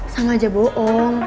sama aja bohong